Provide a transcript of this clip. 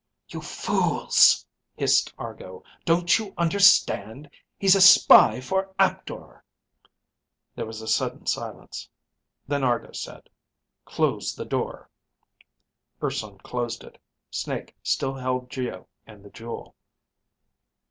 "You fools!" hissed Argo. "Don't you understand? He's a spy for Aptor." There was a sudden silence. Then Argo said, "Close the door." Urson closed it. Snake still held Geo and the jewel.